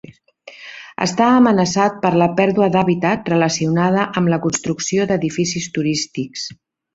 Està amenaçat per la pèrdua d'hàbitat relacionada amb la construcció d'edificis turístics.